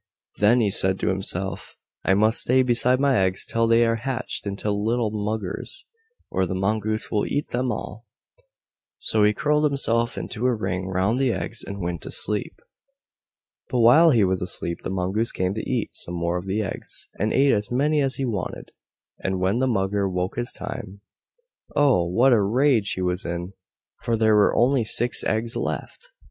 Then he said to himself, "I must stay beside my eggs till they are hatched into little muggers, or the Mongoose will eat them all." So he curled himself into a ring round the eggs and went to sleep. But while he was asleep the Mongoose came to eat some more of the eggs, and ate as many as he wanted, and when the Mugger woke this time, oh! WHAT a rage he was in, for there were only six eggs left!